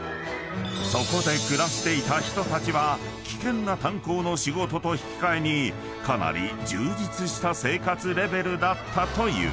［そこで暮らしていた人たちは危険な炭鉱の仕事と引き換えにかなり充実した生活レベルだったという］